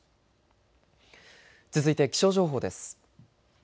続いて気象情報です。